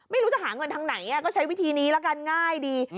ไม่รู้จะหาเงินทางไหนก็ใช้วิธีนี้ละกันง่ายดี